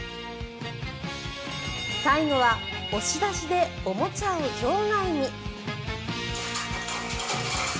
最後は押し出しでおもちゃを場外に。